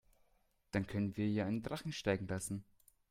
Dann können wir ja einen Drachen steigen lassen.